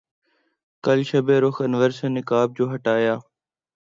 کل شب رخ انور سے نقاب جو ہٹایا